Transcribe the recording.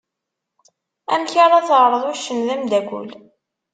Amek ara terreḍ uccen d amdakel?